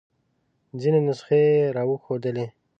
ځینې نسخې یې را وښودلې.